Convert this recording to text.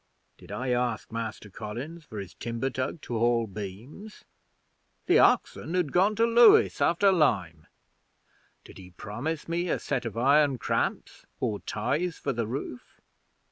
Did I ask Master Collins for his timber tug to haul beams? The oxen had gone to Lewes after lime. Did he promise me a set of iron cramps or ties for the roof?